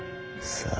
さあ。